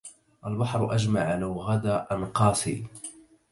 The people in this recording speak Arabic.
البحر أجمع لو غدا أنقاسي